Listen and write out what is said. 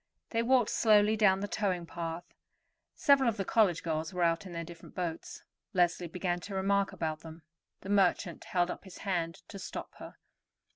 They walked slowly down the towing path. Several of the college girls were out in their different boats. Leslie began to remark about them. The merchant held up his hand to stop her.